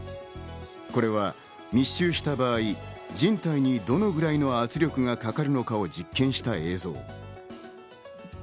これは密集した場合、人体にどのぐらいの圧力がかかるのかを実験した映像。